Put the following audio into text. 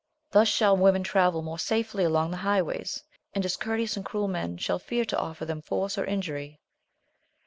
Thus shall women travel more safely along the highways, and discourteous and cruel men shall fear to oflPer them force or injury.